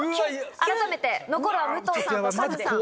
改めて残るは武藤さんとカズさん。